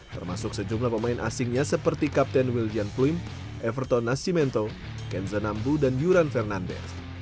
termasuk sejumlah pemain asingnya seperti kapten william plim everton nascimento kenzanambu dan yuran fernandez